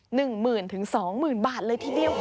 ๑หมื่นถึง๒หมื่นบาทเลยทีเดียวคุณ